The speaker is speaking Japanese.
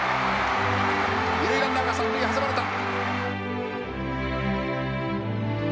二塁ランナーが三塁に挟まれた。